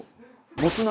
もつ鍋。